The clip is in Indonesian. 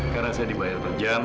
karena saya dibayar berjam